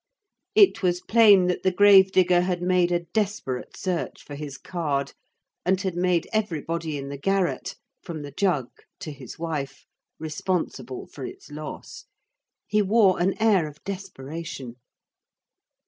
It was plain that the grave digger had made a desperate search for his card, and had made everybody in the garret, from the jug to his wife, responsible for its loss. He wore an air of desperation.